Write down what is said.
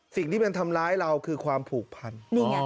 สิ่งที่มันทำร้ายเราคือความผูกพัน